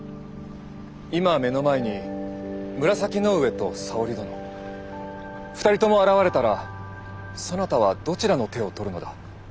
今目の前に紫の上と沙織殿２人とも現れたらそなたはどちらの手を取るのだ。